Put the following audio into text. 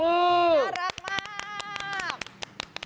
โอ้ยยยยยน่ารักมาก